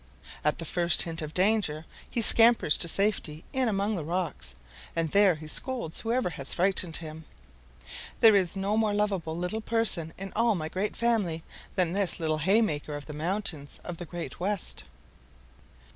At the first hint of danger he scampers to safety in among the rocks, and there he scolds whoever has frightened him. There is no more loveable little person in all my great family than this little haymaker of the mountains of the Great West."